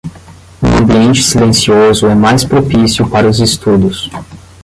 Um ambiente silencioso é mais propício para os estudos.